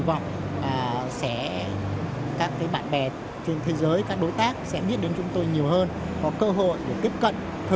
vọng các bạn bè trên thế giới các đối tác sẽ biết đến chúng tôi nhiều hơn có cơ hội để tiếp cận thử